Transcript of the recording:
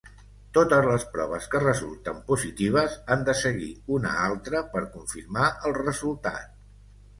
Totes les proves que resulten positives han de seguir una altra per confirmar el resultat.